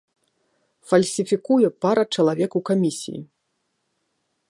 Фальсіфікуе пара чалавек у камісіі.